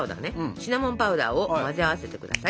シナモンパウダーを混ぜ合わせてください。